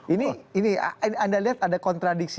ini anda lihat ada kontradiksi